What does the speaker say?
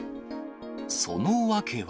その訳は。